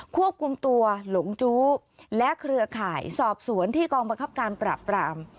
ควบคุมตัวหลงจู้และเครือข่ายสอบสวนที่กองบังคับการปราบราม